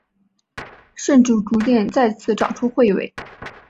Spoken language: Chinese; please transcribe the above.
甚至逐渐再次长出彗尾。